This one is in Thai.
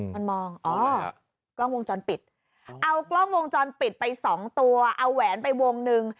มันมองอ๋อกล้องวงจรปิดเอากล้องวงจรปิดไปสองตัวเอาแหวนไปวงหนึ่ง